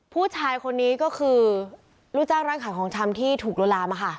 ผู้ชายคนนี้ก็คือรู้จักร้านขายของชำที่ถูกล้วลาม่ะค่ะ